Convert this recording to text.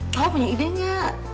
kalo punya idenya